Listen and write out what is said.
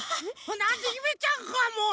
なんだゆめちゃんかもう！